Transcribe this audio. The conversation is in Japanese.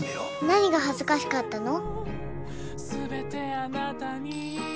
何が恥ずかしかったの？